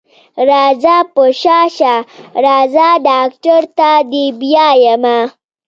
راځه په شا شه راځه ډاکټر ته دې بيايمه.